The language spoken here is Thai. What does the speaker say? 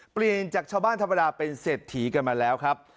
เปลี่ยนจากชาวบ้านธรรมดาเป็นเศรษฐีกันมาแล้วครับ